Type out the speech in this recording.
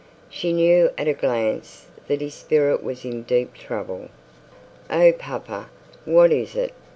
She knew at a glance that his spirit was in deep trouble. 'Oh, papa, what is it?'